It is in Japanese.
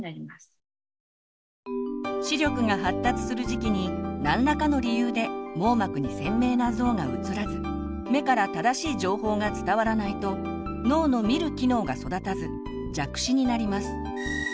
視力が発達する時期に何らかの理由で網膜に鮮明な像がうつらず目から正しい情報が伝わらないと脳の「見る」機能が育たず弱視になります。